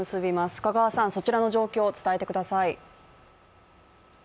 須賀川さん、そちらの状況を伝えて下さい。